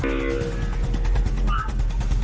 คุณดูแล้วนะครับ